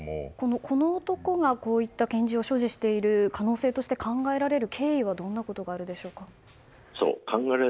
この男が拳銃を所持している経緯は可能性として考えられる経緯はどんなことがあるでしょうか。